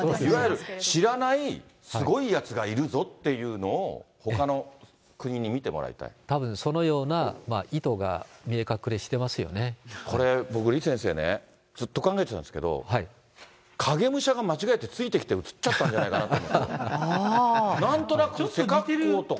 いわゆる知らない、すごいやつがいるぞっていうのをほかの国に見たぶん、そのような意図が見これ、僕、李先生ね、ずっと考えてたんですけど、影武者が間違えてついてきて写っちゃったんじゃないかなと。